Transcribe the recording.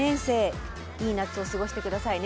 いい夏を過ごして下さいね。